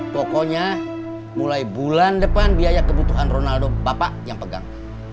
pokoknya mulai bulan depan biaya kebutuhan ronaldo bapak yang pegang